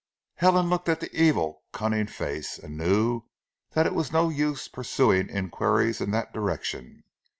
Helen looked at the evil, cunning face, and knew that it was no use pursuing inquiries in that direction.